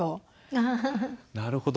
なるほど。